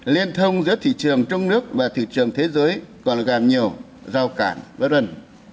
liên thông giữa thị trường trong nước và thị trường thế giới còn gàm nhiều giao cản vất vần